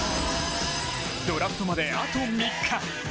ドラフトまであと３日。